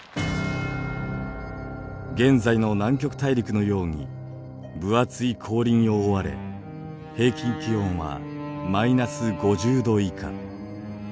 現在の南極大陸のように分厚い氷に覆われ平均気温はマイナス５０度以下。